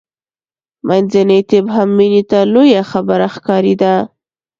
منځنی طب هم مینې ته لویه خبره ښکارېده